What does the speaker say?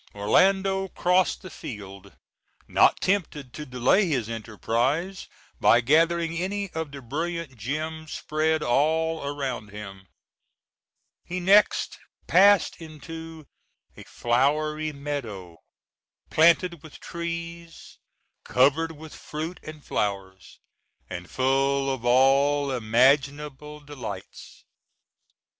Orlando crossed the field, not tempted to delay his enterprise by gathering any of the brilliant gems spread all around him. He next passed into a flowery meadow planted with trees, covered with fruit and flowers, and full of all imaginable delights.